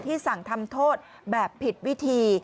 สั่งทำโทษแบบผิดวิธี